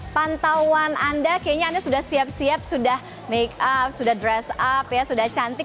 pantauan anda kayaknya anda sudah siap siap sudah make up sudah dress up ya sudah cantik